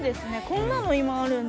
こんなの今あるんだ！